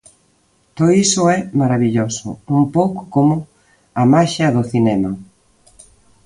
Todo iso é marabilloso, un pouco como a maxia do cinema.